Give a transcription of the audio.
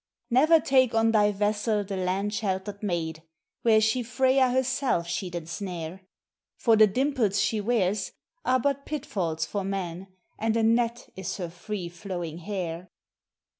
"Never take on thy vessel the land sheltered maid; were she Freyja herself she'd ensnare; For the dimples she wears are but pitfalls for men, and a net is her free flowing hair.